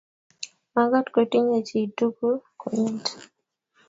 Makaat kotinye chi tukul konyit.